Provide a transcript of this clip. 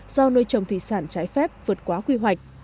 do nuôi trồng thủy sản trái phép vượt quá quy hoạch